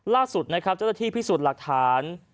ล่าสุดนะครับเจ้าหน้าที่พิสูจน์หลักฐาน